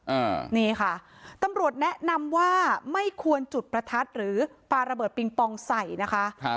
อ่านี่ค่ะตำรวจแนะนำว่าไม่ควรจุดประทัดหรือปลาระเบิดปิงปองใส่นะคะครับ